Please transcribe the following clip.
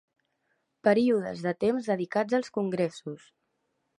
Períodes de temps dedicats als congressos.